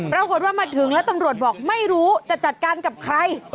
ปรากฏว่ามาถึงแล้วตำรวจบอกไม่รู้จะจัดการกับใคร